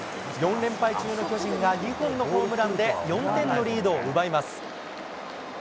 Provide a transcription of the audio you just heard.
４連敗中の巨人が、２本のホームランで４点のリードを奪います。